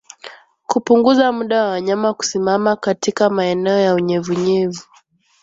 Kupunguza muda wa wanyama kusimama katika maeneo ya unyevunyevu